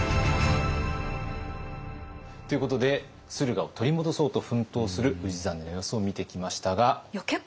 ということで駿河を取り戻そうと奮闘する氏真の様子を見てきましたが。